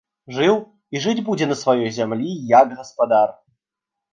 Жыў і жыць будзе на сваёй зямлі як гаспадар!